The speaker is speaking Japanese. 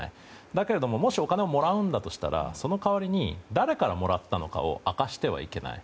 だけど、もしお金をもらうとしたら、その代わりに誰からもらったのかを明かしてはいけない。